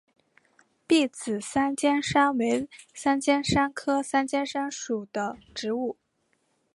篦子三尖杉为三尖杉科三尖杉属的植物。